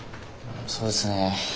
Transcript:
そうですね。